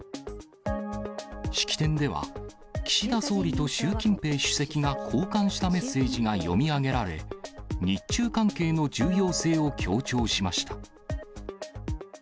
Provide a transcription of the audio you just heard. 式典では、岸田総理と習近平主席が交換したメッセージが読み上げられ、日中関係の重要性を強調しました。